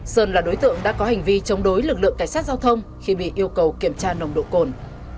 sơn là đối tượng đã có hành vi chống đối lực lượng cảnh sát giao thông khi bị yêu cầu kiểm tra nồng độ cồn